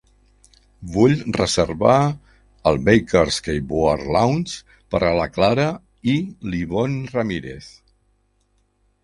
Vull reservar el Baker's Keyboard Lounge per a la Clara i l'Yvonne Ramirez.